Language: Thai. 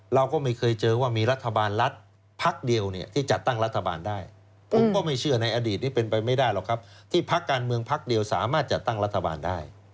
เราก็ไม่เคยเจอว่ามีรัฐบาลรัฐพักเดียวเนี่ยที่จัดตั้งรัฐบาลได้ผมก็ไม่เชื่อในอดีตนี้เป็นไปไม่ได้หรอกครับที่พักการเมืองพักเดียวสามารถจัดตั้งรัฐบาลได้